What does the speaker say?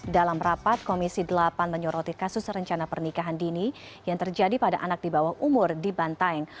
dalam rapat komisi delapan menyoroti kasus rencana pernikahan dini yang terjadi pada anak di bawah umur di bantaeng